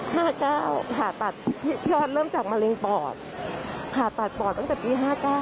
พาตัดพี่ออสเริ่มจากมะเร็งปอดพาตัดปอดตั้งแต่ปี๕๙